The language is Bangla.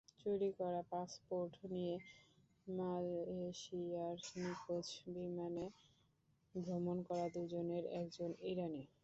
চুরি করা পাসপোর্ট নিয়ে মালয়েশিয়ার নিখোঁজ বিমানে ভ্রমণ করা দুজনের একজন ইরানি।